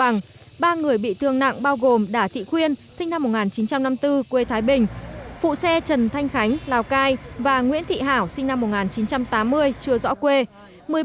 ba người bị thương nặng bao gồm đà thị khuyên sinh năm một nghìn chín trăm năm mươi bốn quê thái bình phụ xe trần thanh khánh lào cai và nguyễn thị hảo sinh năm một nghìn chín trăm tám mươi chưa rõ quê